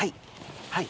はい。